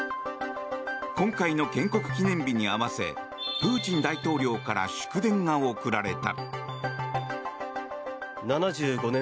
今回の建国記念日に合わせプーチン大統領から祝電が送られた。